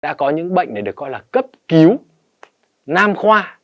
ta có những bệnh này được gọi là cấp cứu nam khoa